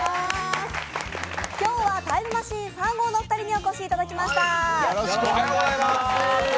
今日はタイムマシーン３号のお二人にお越しいただきました。